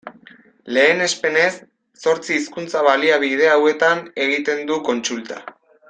Lehenespenez, zortzi hizkuntza-baliabide hauetan egiten du kontsulta.